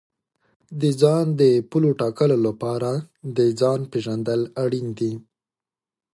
د ځان د پولو ټاکلو لپاره د ځان پېژندل اړین دي.